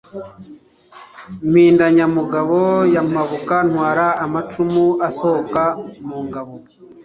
Impindanyamugabo ya Mpabuka, Ntwara amacumu asohoka mu ngabo.